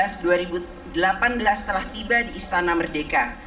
setelah tiba di istana merdeka